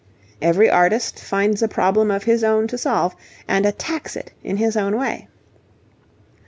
Every artist finds a problem of his own to solve, and attacks it in his own way.